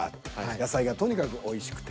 野菜がとにかくおいしくて。